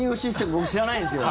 僕、知らないんですけど。